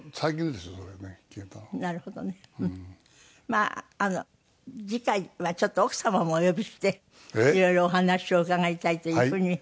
まあ次回はちょっと奥様もお呼びしていろいろお話を伺いたいという風に。